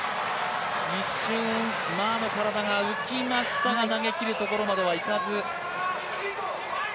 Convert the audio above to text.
一瞬、馬の体が浮きましたが、投げきるところまではいかず。